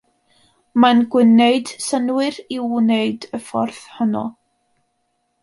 Mae'n gwneud synnwyr i'w wneud y ffordd honno.